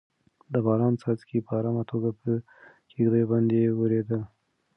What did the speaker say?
د باران څاڅکي په ارامه توګه په کيږديو باندې ورېدل.